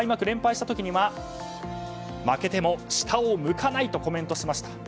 連敗した時には負けても下を向かないとコメントしました。